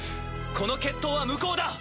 この決闘は無効だ！